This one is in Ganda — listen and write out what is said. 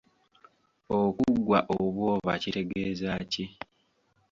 Okuggwa obw'oba kitegeeza ki?